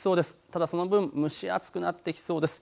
ただその分、蒸し暑くなってきそうです。